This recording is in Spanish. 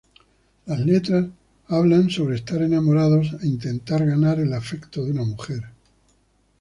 Las letras hablan sobre estar enamorado e intentar ganar el afecto de una mujer.